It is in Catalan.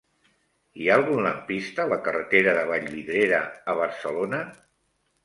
Hi ha algun lampista a la carretera de Vallvidrera a Barcelona?